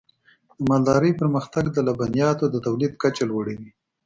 د مالدارۍ پرمختګ د لبنیاتو د تولید کچه لوړوي.